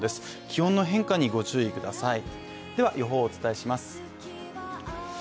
気温の変化にご注意ください。